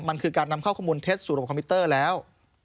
มันคือการนำเข้าข้อมูลเท็จสู่ระบบคอมพิวเตอร์แล้ว